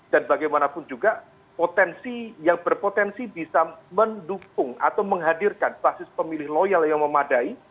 dan bagaimanapun juga potensi yang berpotensi bisa mendukung atau menghadirkan taksis pemilih loyal yang memadai